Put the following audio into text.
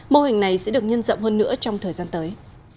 mô hình này sẽ được nhân rộng hơn nữa trong thời gian tới